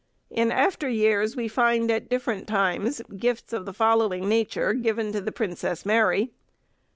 In after years we find at different times gifts of the following nature given to the Princess Mary.